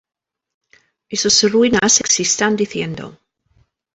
Y sus ruinas existan diciendo: